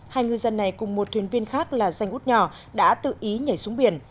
hai ngư dân này cùng một thuyền viên khác là danh út nhỏ đã tự ý nhảy xuống biển